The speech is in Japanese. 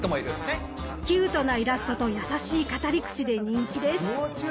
キュートなイラストと優しい語り口で人気です。